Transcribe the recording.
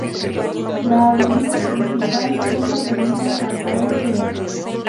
La avenida principal es Avenida Santa Úrsula.